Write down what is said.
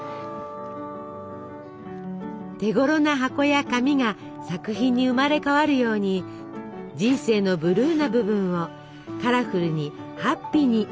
手ごろな箱や紙が作品に生まれ変わるように人生のブルーな部分をカラフルにハッピーに彩る方法はいくらでもある。